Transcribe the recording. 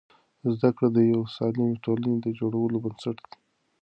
زده کړه د یوې سالمې ټولنې د جوړولو بنسټ دی.